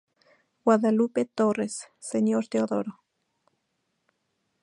Guadalupe Torres, Sr. Teodoro.